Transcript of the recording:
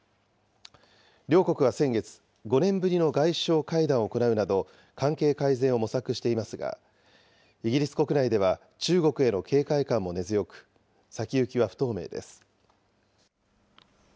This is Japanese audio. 両国は先月、５年ぶりの外相会談を行うなど、関係改善を模索していますが、イギリス国内では中国への警戒感も根強く、先行きは不透明です。